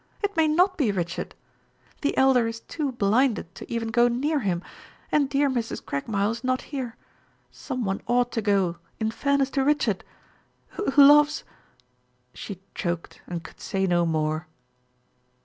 It may not be Richard. The Elder is too blinded to even go near him, and dear Mrs. Craigmile is not here. Some one ought to go in fairness to Richard who loves " She choked and could say no more.